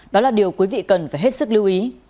đó là điều quý vị cần phải hết sức lưu ý